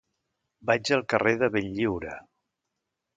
Vaig al carrer de Benlliure.